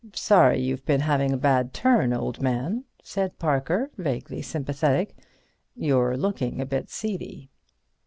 "Sorry you've been having a bad turn, old man," said Parker, vaguely sympathetic; "you're looking a bit seedy."